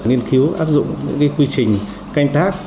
nhiên cứu áp dụng những quy trình canh tác